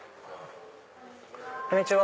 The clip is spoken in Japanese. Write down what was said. こんにちは。